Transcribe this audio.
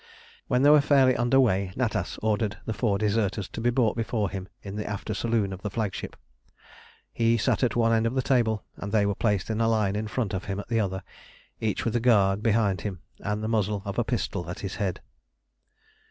When they were fairly under way Natas ordered the four deserters to be brought before him in the after saloon of the flagship. He sat at one end of the table, and they were placed in a line in front of him at the other, each with a guard behind him, and the muzzle of a pistol at his head.